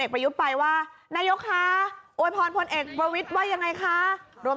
ประยุทธ์ไปว่านายกคะโวยพรพลเอกประวิทย์ว่ายังไงคะรวม